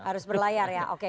harus berlayar ya oke